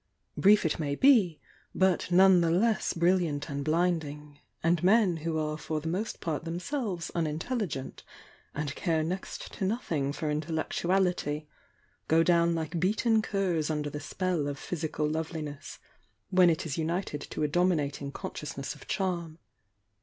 Brief it may be, but none the less brilliant and blinding; and men who are for the most part themselves unintelligent and care next to nothing for intellectuality, go down like beaten curs under the spell of physical loveliness, when it is united to a dominating consciousness of charm.